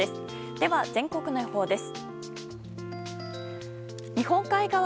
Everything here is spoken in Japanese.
では全国の予報です。